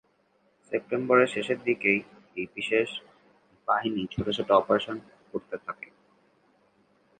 সেপ্টেম্বরের শেষের দিকে এ-ই বিশেষ বাহিনী ছোট ছোট অপারেশন করতে থাকে।